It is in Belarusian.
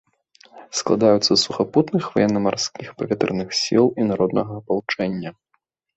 Складаюцца з сухапутных, ваенна-марскіх, паветраных сіл і народнага апалчэння.